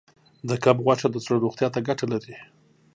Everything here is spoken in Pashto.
د کب غوښه د زړه روغتیا ته ګټه لري.